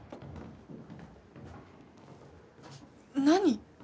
何？